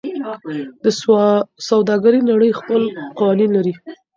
د سوداګرۍ نړۍ خپل قوانین لري.